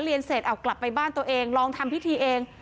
เสร็จเอากลับไปบ้านตัวเองลองทำพิธีเอง